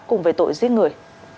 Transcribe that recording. cùng với tội giết người